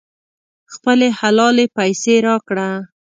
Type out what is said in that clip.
خپلې حلالې پیسې راکړه.